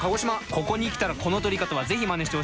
ここに来たらこの撮り方は是非まねしてほしい。